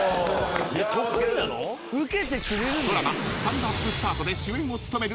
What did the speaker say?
［ドラマ『スタンドＵＰスタート』で主演を務める］